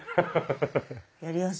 やりやすい。